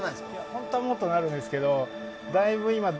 本当はもっとなるんですけど。